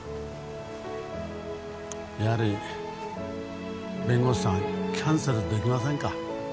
やはり弁護士さんキャンセルできませんか？